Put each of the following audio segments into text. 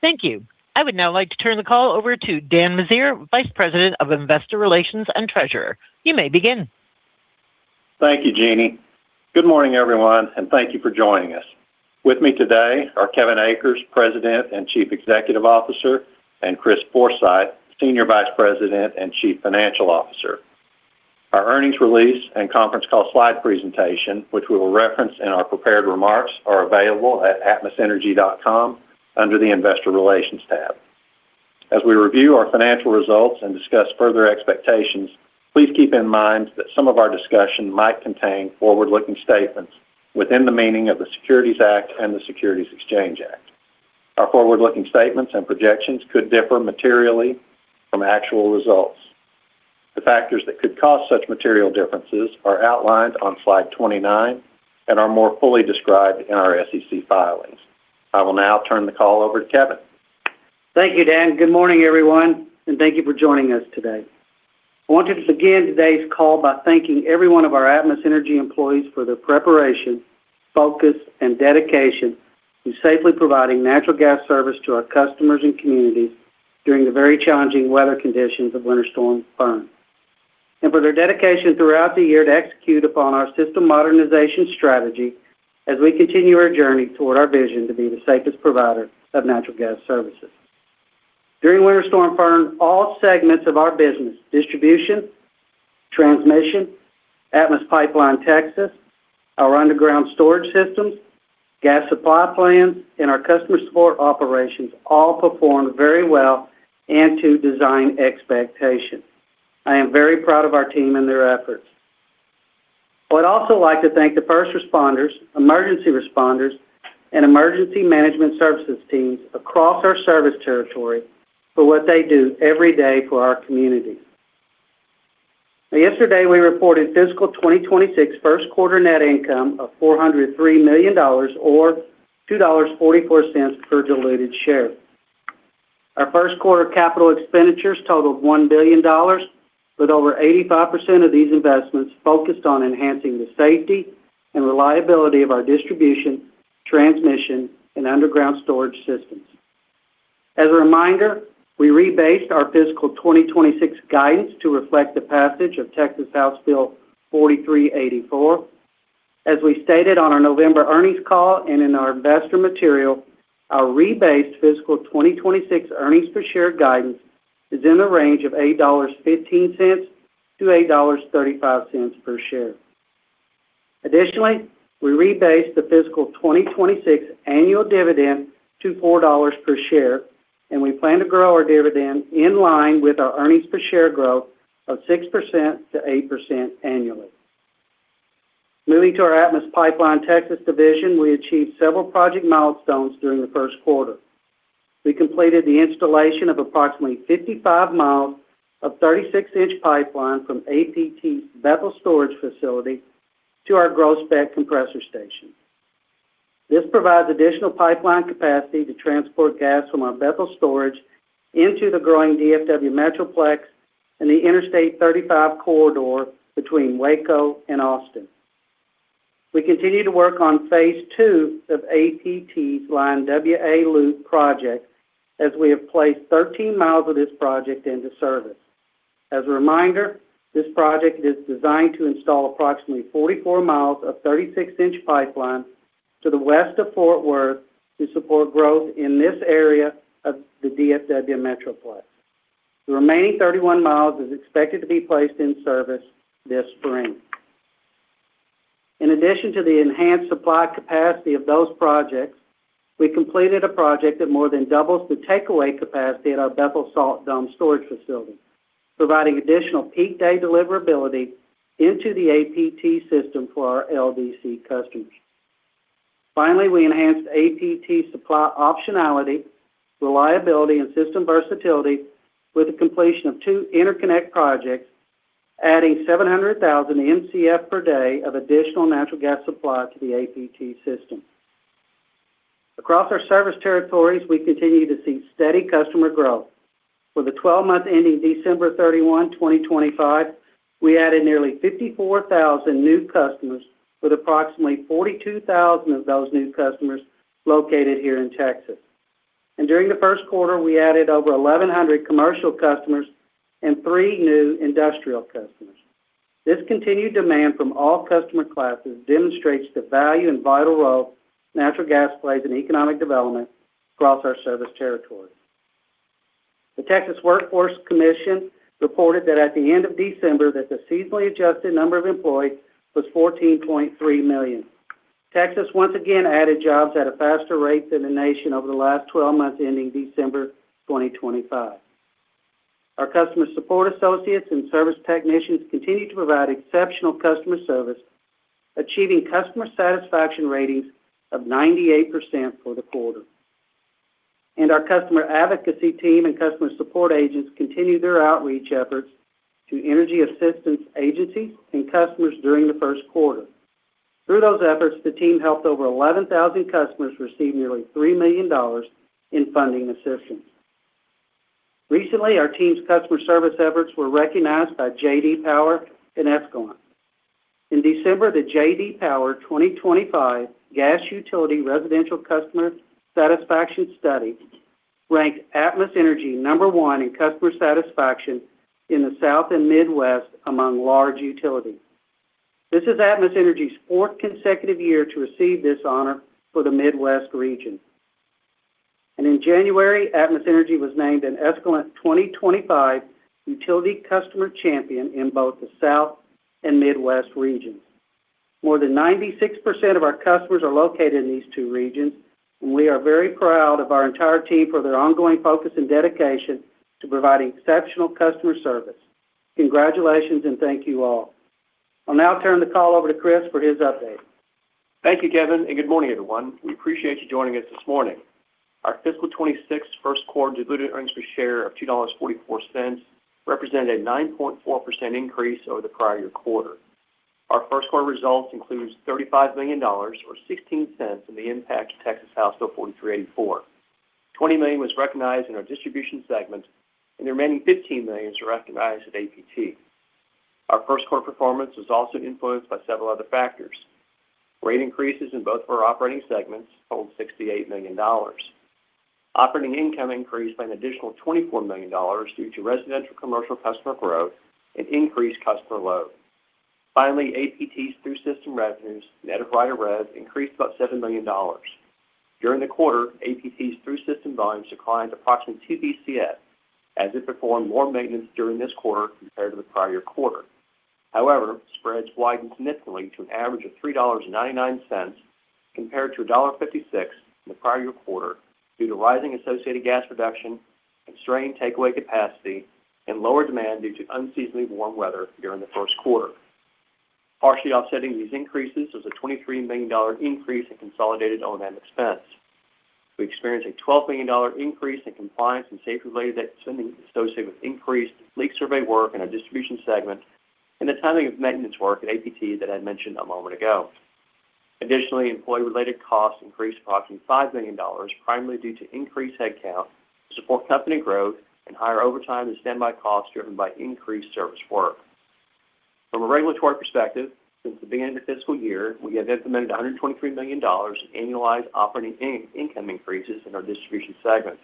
Thank you. I would now like to turn the call over to Dan Meziere, Vice President of Investor Relations and Treasurer. You may begin. Thank you, Jeannie. Good morning, everyone, and thank you for joining us. With me today are Kevin Akers, President and Chief Executive Officer, and Chris Forsythe, Senior Vice President and Chief Financial Officer. Our earnings release and conference call slide presentation, which we will reference in our prepared remarks, are available at atmosenergy.com under the Investor Relations tab. As we review our financial results and discuss further expectations, please keep in mind that some of our discussion might contain forward-looking statements within the meaning of the Securities Act and the Securities Exchange Act. Our forward-looking statements and projections could differ materially from actual results. The factors that could cause such material differences are outlined on slide 29 and are more fully described in our SEC filings. I will now turn the call over to Kevin. Thank you, Dan. Good morning, everyone, and thank you for joining us today. I wanted to begin today's call by thanking every one of our Atmos Energy employees for their preparation, focus, and dedication in safely providing natural gas service to our customers and communities during the very challenging weather conditions of Winter Storm Fern. For their dedication throughout the year to execute upon our system modernization strategy as we continue our journey toward our vision to be the safest provider of natural gas services. During Winter Storm Fern, all segments of our business, distribution, transmission, Atmos Pipeline-Texas, our underground storage systems, gas supply plans, and our customer support operations, all performed very well and to design expectations. I am very proud of our team and their efforts. I would also like to thank the first responders, emergency responders, and emergency management services teams across our service territory for what they do every day for our community. Yesterday, we reported fiscal 2026 first quarter net income of $403 million or $2.44 per diluted share. Our first quarter capital expenditures totaled $1 billion, with over 85% of these investments focused on enhancing the safety and reliability of our distribution, transmission, and underground storage systems. As a reminder, we rebased our fiscal 2026 guidance to reflect the passage of Texas House Bill 4384. As we stated on our November earnings call and in our investor material, our rebased fiscal 2026 earnings per share guidance is in the range of $8.15-$8.35 per share. Additionally, we rebased the fiscal 2026 annual dividend to $4 per share, and we plan to grow our dividend in line with our earnings per share growth of 6%-8% annually. Moving to our Atmos Pipeline-Texas division, we achieved several project milestones during the first quarter. We completed the installation of approximately 55 miles of 36-inch pipeline from APT Bethel Storage Facility to our Groesbeck Compressor Station. This provides additional pipeline capacity to transport gas from our Bethel storage into the growing DFW Metroplex and the Interstate 35 corridor between Waco and Austin. We continue to work on phase two of APT's Line WA Loop project, as we have placed 13 miles of this project into service. As a reminder, this project is designed to install approximately 44 miles of 36-inch pipeline to the west of Fort Worth to support growth in this area of the DFW Metroplex. The remaining 31 miles is expected to be placed in service this spring. In addition to the enhanced supply capacity of those projects, we completed a project that more than doubles the takeaway capacity at our Bethel Salt Dome storage facility, providing additional peak day deliverability into the APT system for our LDC customers. Finally, we enhanced APT supply optionality, reliability, and system versatility with the completion of two interconnect projects, adding 700,000 MCF per day of additional natural gas supply to the APT system. Across our service territories, we continue to see steady customer growth. For the 12 months ending December 31, 2025, we added nearly 54,000 new customers, with approximately 42,000 of those new customers located here in Texas. During the first quarter, we added over 1,100 commercial customers and 3 new industrial customers. This continued demand from all customer classes demonstrates the value and vital role natural gas plays in economic development across our service territory. The Texas Workforce Commission reported that at the end of December, the seasonally adjusted number of employees was 14.3 million. Texas once again added jobs at a faster rate than the nation over the last 12 months, ending December 2025. Our customer support associates and service technicians continued to provide exceptional customer service, achieving customer satisfaction ratings of 98% for the quarter. Our customer advocacy team and customer support agents continued their outreach efforts to energy assistance agencies and customers during the first quarter. Through those efforts, the team helped over 11,000 customers receive nearly $3 million in funding assistance. Recently, our team's customer service efforts were recognized by J.D. Power and Escalent. In December, the J.D. Power 2025 Gas Utility Residential Customer Satisfaction Study ranked Atmos Energy number one in customer satisfaction in the South and Midwest among large utilities. This is Atmos Energy's fourth consecutive year to receive this honor for the Midwest region. In January, Atmos Energy was named an Escalent 2025 Utility Customer Champion in both the South and Midwest regions. More than 96% of our customers are located in these two regions, and we are very proud of our entire team for their ongoing focus and dedication to providing exceptional customer service. Congratulations, and thank you all. I'll now turn the call over to Chris for his update. Thank you, Kevin, and good morning, everyone. We appreciate you joining us this morning. Our fiscal 2026 first quarter diluted earnings per share of $2.44 represented a 9.4% increase over the prior year quarter. Our first quarter results includes $35 million, or 16 cents, in the impact of Texas House Bill 4384. $20 million was recognized in our distribution segment, and the remaining $15 million was recognized at APT. Our first quarter performance was also influenced by several other factors. Rate increases in both of our operating segments totaled $68 million. Operating income increased by an additional $24 million due to residential commercial customer growth and increased customer load. Finally, APT's through system revenues, net of Rider REV, increased about $7 million. During the quarter, APT's through system volumes declined approximately 2 Bcf, as it performed more maintenance during this quarter compared to the prior quarter. However, spreads widened significantly to an average of $3.99, compared to $1.56 in the prior year quarter, due to rising associated gas production, constrained takeaway capacity, and lower demand due to unseasonably warm weather during the first quarter. Partially offsetting these increases was a $23 million increase in consolidated O&M expense. We experienced a $12 million increase in compliance and safety-related spending associated with increased leak survey work in our distribution segment and the timing of maintenance work at APT that I mentioned a moment ago. Additionally, employee-related costs increased approximately $5 million, primarily due to increased headcount to support company growth and higher overtime and standby costs driven by increased service work. From a regulatory perspective, since the beginning of the fiscal year, we have implemented $123 million in annualized operating income increases in our distribution segment.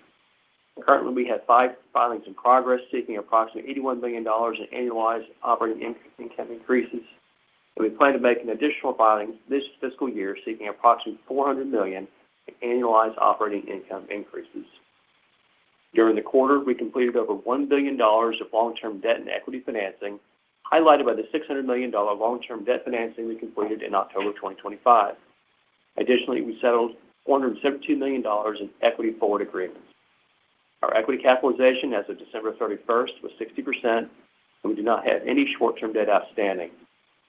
Currently, we have five filings in progress, seeking approximately $81 million in annualized operating income increases, and we plan to make an additional filing this fiscal year, seeking approximately $400 million in annualized operating income increases. During the quarter, we completed over $1 billion of long-term debt and equity financing, highlighted by the $600 million long-term debt financing we completed in October 2025. Additionally, we settled $472 million in equity forward agreements. Our equity capitalization as of December 31 was 60%, and we do not have any short-term debt outstanding.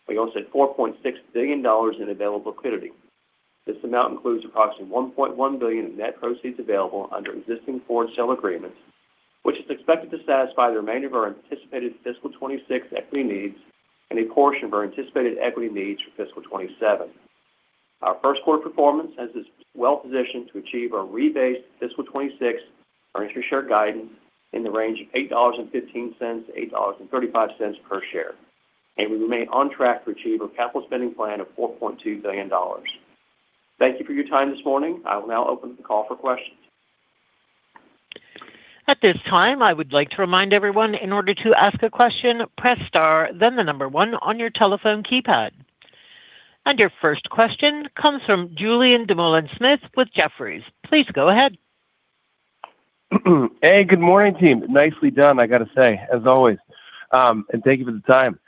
We now have, $4.6 billion in available liquidity. This amount includes approximately $1.1 billion in net proceeds available under existing forward sale agreements, which is expected to satisfy the remainder of our anticipated fiscal 2026 equity needs and a portion of our anticipated equity needs for fiscal 2027. Our first quarter performance has us well positioned to achieve our rebased fiscal 2026 earnings per share guidance in the range of $8.15-$8.35 per share, and we remain on track to achieve a capital spending plan of $4.2 billion. Thank you for your time this morning. I will now open the call for questions. At this time, I would like to remind everyone, in order to ask a question, press Star, then the number one on your telephone keypad. Your first question comes from Julien Dumoulin-Smith with Jefferies. Please go ahead. Hey, good morning, team. Nicely done, I got to say, as always, and thank you for the time.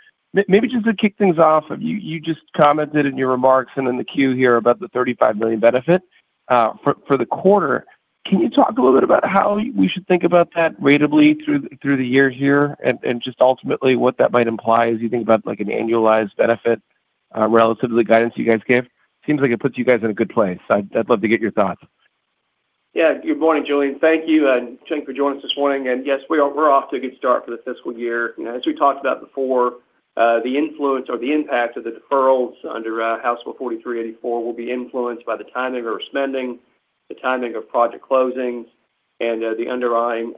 Maybe just to kick things off, you just commented in your remarks and in the queue here about the $35 million benefit for the quarter. Can you talk a little bit about how we should think about that ratably through the year here? And just ultimately, what that might imply as you think about, like, an annualized benefit relative to the guidance you guys gave? Seems like it puts you guys in a good place. I'd love to get your thoughts. Yeah. Good morning, Julien. Thank you, and thank you for joining us this morning. And yes, we are—we're off to a good start for the fiscal year. You know, as we talked about before, the influence or the impact of the deferrals under House Bill 4384 will be influenced by the timing of our spending, the timing of project closings, and the underlying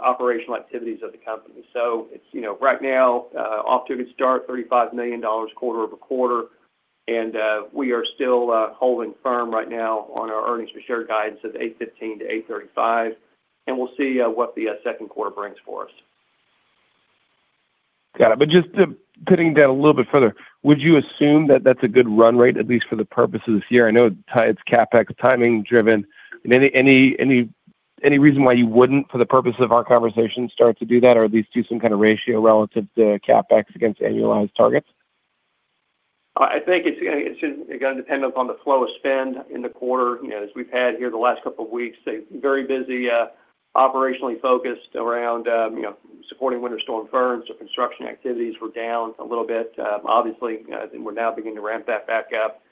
operational activities of the company. So it's, you know, right now, off to a good start, $35 million quarter-over-quarter, and we are still holding firm right now on our earnings per share guidance of $8.15-$8.35, and we'll see what the second quarter brings for us. Got it. But just to pin it down a little bit further, would you assume that that's a good run rate, at least for the purpose of this year? I know it's CapEx, timing driven. Any reason why you wouldn't, for the purpose of our conversation, start to do that, or at least do some kind of ratio relative to CapEx against annualized targets? I think it's again dependent upon the flow of spend in the quarter, you know, as we've had here the last couple of weeks, a very busy operationally focused around, you know, supporting Winter Storm Fern. So construction activities were down a little bit. Obviously, and we're now beginning to ramp that back up.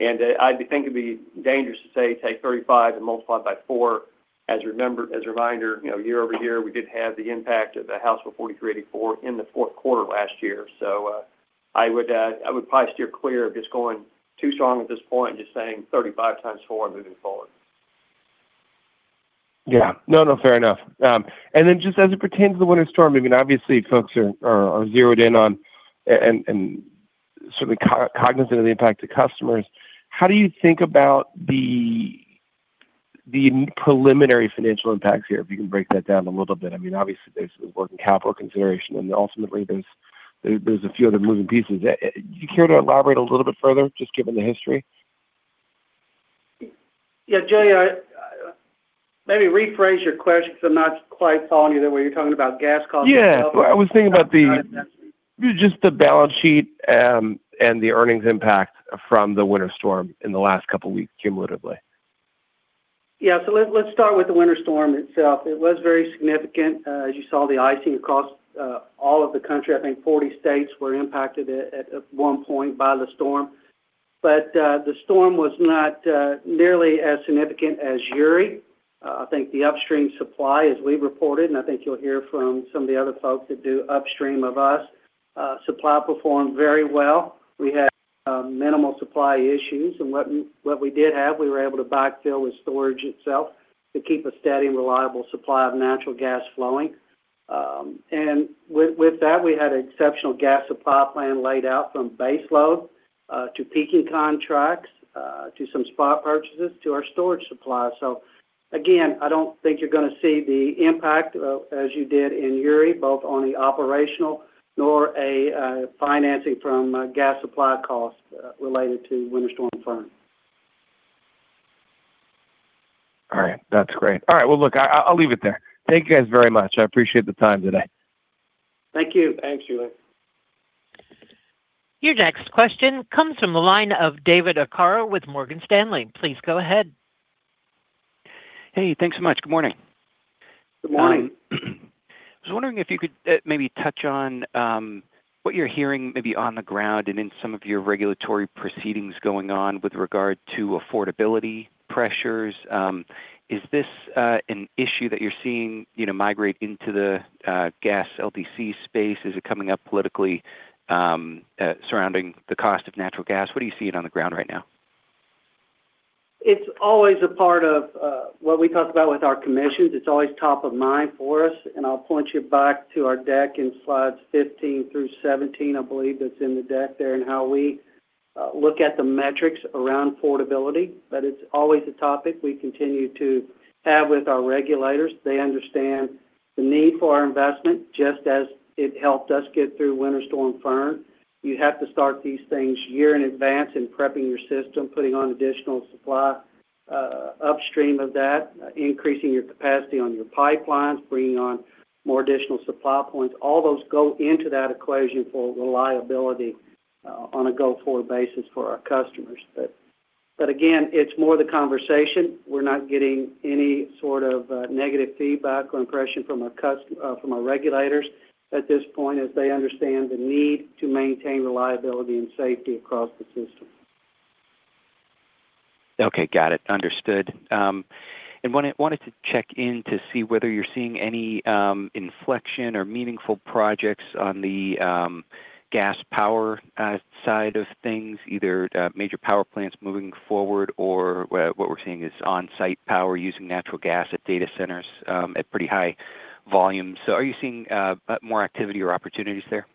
And I think it'd be dangerous to say, take 35 and multiply by four. As a reminder, you know, year over year, we did have the impact of the House Bill 4384 in the fourth quarter last year. So,... I would probably steer clear of just going too strong at this point, just saying 35 times 4 moving forward. Yeah. No, no, fair enough. And then just as it pertains to the winter storm, I mean, obviously, folks are zeroed in on and sort of cognizant of the impact to customers. How do you think about the preliminary financial impacts here? If you can break that down a little bit. I mean, obviously, there's working capital consideration, and then ultimately, there's a few other moving pieces. Do you care to elaborate a little bit further, just given the history? Yeah, Julien, I maybe rephrase your question because I'm not quite following you there, where you're talking about gas costs itself- Yeah. I was thinking about the- Got it... just the balance sheet, and the earnings impact from the winter storm in the last couple of weeks cumulatively. Yeah. So let's start with the winter storm itself. It was very significant. As you saw, the icing across all of the country. I think 40 states were impacted at one point by the storm. But the storm was not nearly as significant as Uri. I think the upstream supply, as we reported, and I think you'll hear from some of the other folks that do upstream of us, supply performed very well. We had minimal supply issues, and what we did have, we were able to backfill with storage itself to keep a steady and reliable supply of natural gas flowing. And with that, we had exceptional gas supply plan laid out from base load to peaking contracts to some spot purchases to our storage supply. I don't think you're gonna see the impact, as you did in Uri, both on the operational nor a financing from gas supply costs related to Winter Storm Fern. All right. That's great. All right, well, look, I, I'll leave it there. Thank you guys very much. I appreciate the time today. Thank you. Thanks, Eli. Your next question comes from the line of David Arcaro with Morgan Stanley. Please go ahead. Hey, thanks so much. Good morning. Good morning. I was wondering if you could maybe touch on what you're hearing, maybe on the ground and in some of your regulatory proceedings going on with regard to affordability pressures. Is this an issue that you're seeing, you know, migrate into the gas LDC space? Is it coming up politically surrounding the cost of natural gas? What are you seeing on the ground right now? It's always a part of what we talk about with our commissions. It's always top of mind for us, and I'll point you back to our deck in slides 15 through 17. I believe that's in the deck there, and how we look at the metrics around affordability. But it's always a topic we continue to have with our regulators. They understand the need for our investment, just as it helped us get through Winter Storm Fern. You have to start these things a year in advance in prepping your system, putting on additional supply upstream of that, increasing your capacity on your pipelines, bringing on more additional supply points. All those go into that equation for reliability on a go-forward basis for our customers. But, but again, it's more the conversation. We're not getting any sort of negative feedback or impression from our regulators at this point, as they understand the need to maintain reliability and safety across the system. Okay, got it. Understood. Wanted to check in to see whether you're seeing any inflection or meaningful projects on the gas power side of things, either major power plants moving forward or what we're seeing is on-site power using natural gas at data centers at pretty high volume. So are you seeing more activity or opportunities there?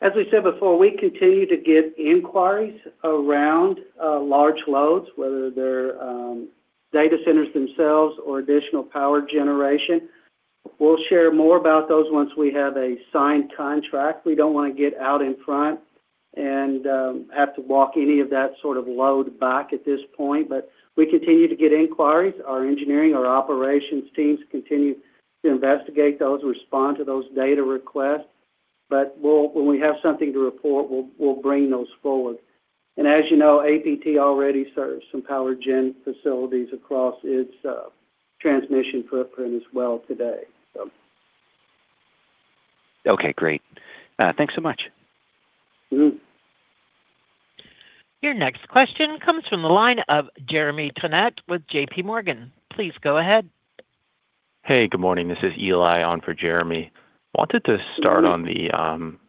As we said before, we continue to get inquiries around large loads, whether they're data centers themselves or additional power generation. We'll share more about those once we have a signed contract. We don't want to get out in front and have to walk any of that sort of load back at this point. But we continue to get inquiries. Our engineering, our operations teams continue to investigate those, respond to those data requests. But we'll when we have something to report, we'll bring those forward. And as you know, APT already serves some power gen facilities across its transmission footprint as well today, so. Okay, great. Thanks so much. Mm-hmm. Your next question comes from the line of Jeremy Tonet with J.P. Morgan. Please go ahead. Hey, good morning. This is Eli on for Jeremy. Wanted to start on the,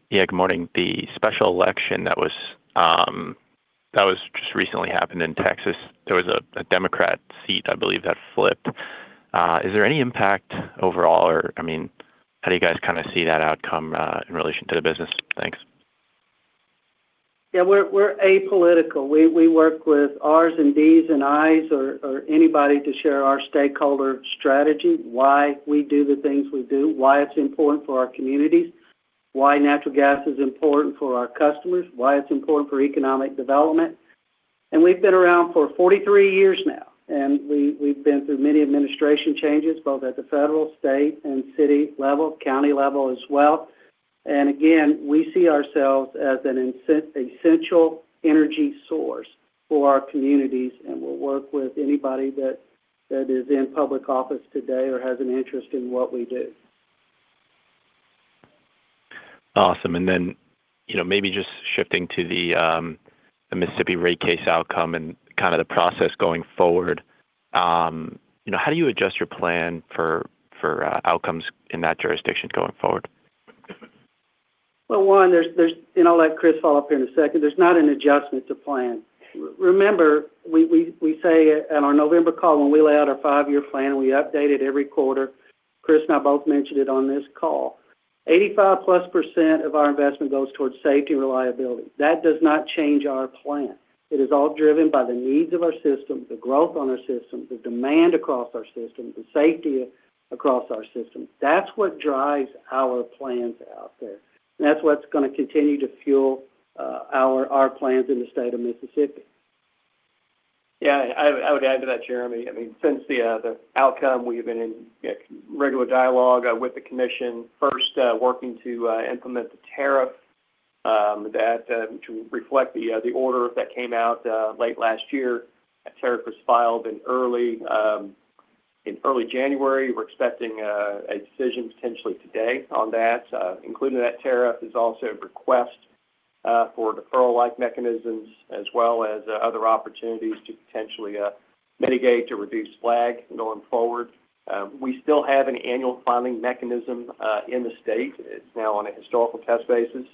Yeah, good morning. The special election that was, that was just recently happened in Texas, there was a, a Democrat seat, I believe, that flipped. Is there any impact overall, or, I mean, how do you guys kinda see that outcome, in relation to the business? Thanks. Yeah, we're apolitical. We work with R's and D's and I's or anybody to share our stakeholder strategy, why we do the things we do, why it's important for our communities, why natural gas is important for our customers, why it's important for economic development. We've been around for 43 years now, and we've been through many administration changes, both at the federal, state, and city level, county level as well. Again, we see ourselves as an essential energy source for our communities, and we'll work with anybody that is in public office today or has an interest in what we do. Awesome. And then, you know, maybe just shifting to the Mississippi rate case outcome and kind of the process going forward, you know, how do you adjust your plan for outcomes in that jurisdiction going forward? Well, one, there's—and I'll let Chris follow up here in a second, there's not an adjustment to plan. Remember, we say in our November call, when we lay out our five-year plan, and we update it every quarter, Chris and I both mentioned it on this call, 85%+ of our investment goes towards safety and reliability. That does not change our plan. It is all driven by the needs of our system, the growth on our system, the demand across our system, the safety across our system. That's what drives our plans out there, and that's what's going to continue to fuel our plans in the state of Mississippi. Yeah, I would add to that, Jeremy. I mean, since the outcome, we've been in regular dialogue with the commission, first working to implement the tariff that to reflect the order that came out late last year. That tariff was filed in early January. We're expecting a decision potentially today on that. Including that tariff is also a request for deferral-like mechanisms, as well as other opportunities to potentially mitigate to reduce lag going forward. We still have an annual filing mechanism in the state. It's now on a historical test basis,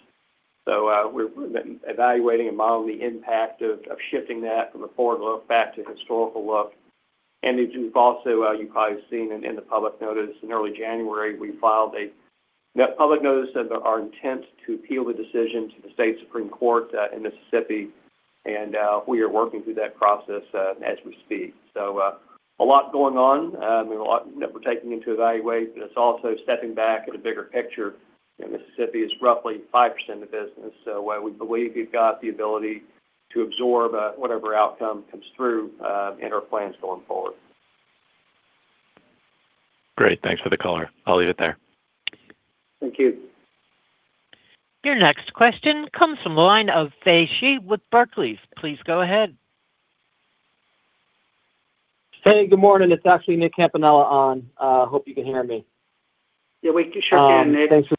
so we've been evaluating and modeling the impact of shifting that from a forward look back to historical look. We've also, you've probably seen it in the public notice. In early January, we filed a new public notice of our intent to appeal the decision to the Mississippi Supreme Court in Mississippi, and we are working through that process as we speak. So, a lot going on, a lot that we're taking in to evaluate, but it's also stepping back at a bigger picture, and Mississippi is roughly 5% of the business, so we believe we've got the ability to absorb whatever outcome comes through in our plans going forward. Great. Thanks for the color. I'll leave it there. Thank you. Your next question comes from the line of Nick Campanella with Barclays. Please go ahead. Hey, good morning. It's actually Nick Campanella on. Hope you can hear me. Yeah, we sure can, Nick. Thanks for...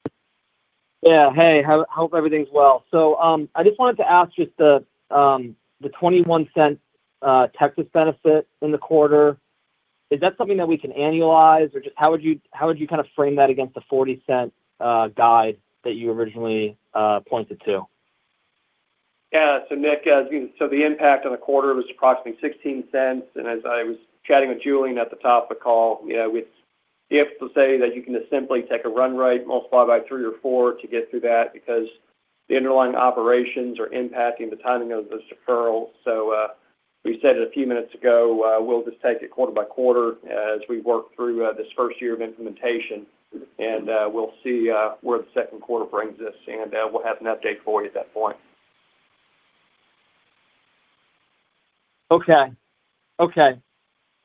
Yeah. Hey, hope everything's well. So, I just wanted to ask, just the $0.21 Texas benefit in the quarter, is that something that we can annualize? Or just how would you kind of frame that against the $0.40 guide that you originally pointed to? Yeah. So Nick, so the impact on the quarter was approximately $0.16, and as I was chatting with Julien at the top of the call, you know, it's difficult to say that you can just simply take a run rate, multiply by three or four to get through that, because the underlying operations are impacting the timing of this deferral. So, we said it a few minutes ago, we'll just take it quarter by quarter as we work through this first year of implementation, and we'll see where the second quarter brings us, and we'll have an update for you at that point. Okay. Okay.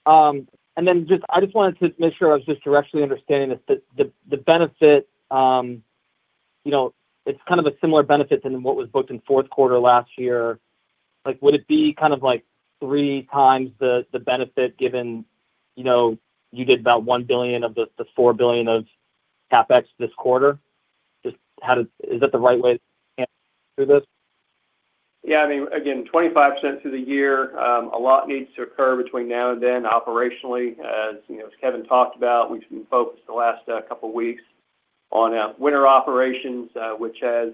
And then just, I just wanted to make sure I was just directly understanding this, that the benefit, you know, it's kind of a similar benefit than what was booked in fourth quarter last year. Like, would it be kind of like three times the benefit, given, you know, you did about $1 billion of the $4 billion of CapEx this quarter? Just how does it...? Is that the right way to answer this? Yeah, I mean, again, $0.25 through the year. A lot needs to occur between now and then operationally. As you know, as Kevin talked about, we've been focused the last couple weeks on winter operations, which has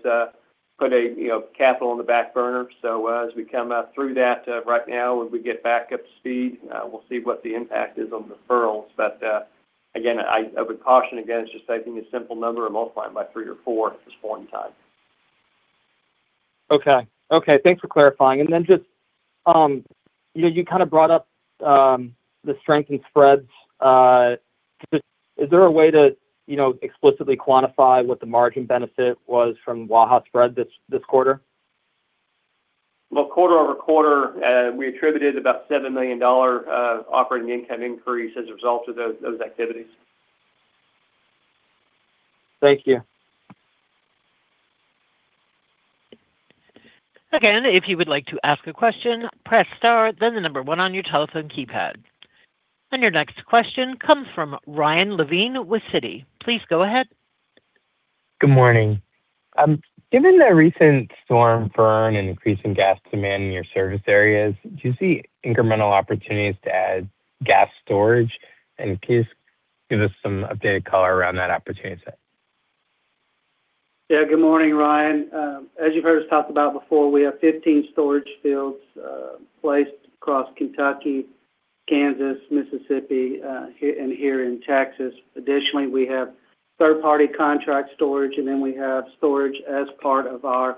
put a, you know, capital on the back burner. So, as we come through that right now, as we get back up to speed, we'll see what the impact is on the deferrals. But again, I would caution against just taking a simple number and multiplying by three or four at this point in time. Okay. Okay, thanks for clarifying. And then just, you know, you kind of brought up the strength in spreads. Just is there a way to, you know, explicitly quantify what the margin benefit was from Waha spread this, this quarter? Well, quarter-over-quarter, we attributed about $7 million operating income increase as a result of those, those activities. Thank you. Again, if you would like to ask a question, press star, then the number one on your telephone keypad. Your next question comes from Ryan Levine with Citi. Please go ahead. Good morning. Given the recent Storm Uri and increase in gas demand in your service areas, do you see incremental opportunities to add gas storage? And can you just give us some updated color around that opportunity set? Yeah, good morning, Ryan. As you've heard us talk about before, we have 15 storage fields placed across Kentucky, Kansas, Mississippi, here, and here in Texas. Additionally, we have third-party contract storage, and then we have storage as part of our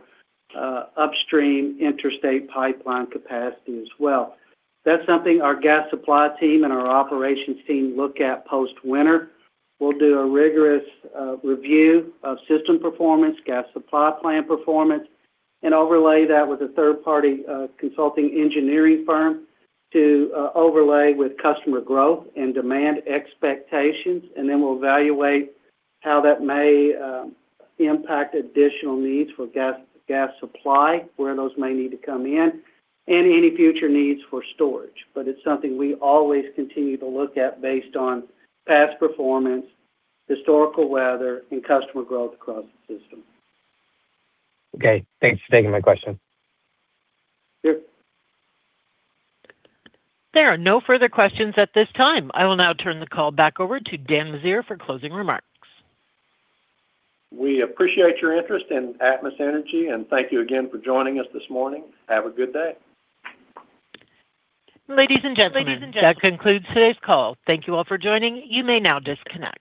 upstream interstate pipeline capacity as well. That's something our gas supply team and our operations team look at post-winter. We'll do a rigorous review of system performance, gas supply plan performance, and overlay that with a third-party consulting engineering firm to overlay with customer growth and demand expectations, and then we'll evaluate how that may impact additional needs for gas, gas supply, where those may need to come in, and any future needs for storage. But it's something we always continue to look at based on past performance, historical weather, and customer growth across the system. Okay, thanks for taking my question. Sure. There are no further questions at this time. I will now turn the call back over to Dan Meziere for closing remarks. We appreciate your interest in Atmos Energy, and thank you again for joining us this morning. Have a good day. Ladies and gentlemen, that concludes today's call. Thank you all for joining. You may now disconnect.